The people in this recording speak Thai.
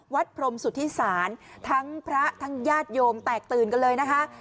พรมสุธิศาลทั้งพระทั้งญาติโยมแตกตื่นกันเลยนะคะ